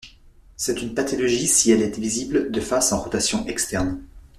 C'est une pathologie si elle est visible de face en rotation externe.